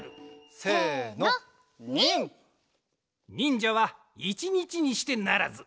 せのニン！にんじゃはいちにちにしてならず。